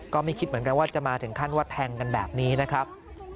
ก็ไม่คิดเหมือนกันว่าจะมาถึงขั้นว่าแทงกันแบบนี้นะครับ